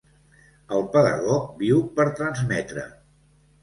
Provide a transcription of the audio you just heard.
El pedagog viu per transmetre.